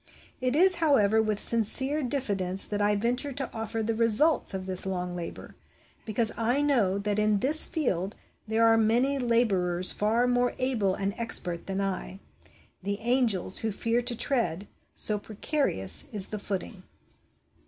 It is, how ever, with sincere diffidence that I venture to offer the results of this long labour ; because I know that in this field there are many labourers far more able and expert than I the * angels ' who fear to tread, so precarious is the footing!